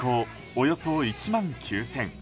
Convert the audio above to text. およそ１万９０００。